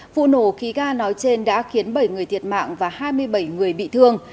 vụ nổ khí ga nói trên đã khiến bảy người thiệt mạng và hai mươi bảy người bị thương